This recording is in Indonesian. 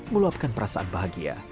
meluapkan perasaan bahagia